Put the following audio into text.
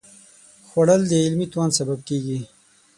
خوړل د علمي توان سبب کېږي